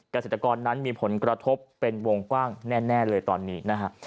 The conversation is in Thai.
เกษตรกรนั้นมีผลกระทบเป็นวงกว้างแน่เลยตอนนี้นะฮะ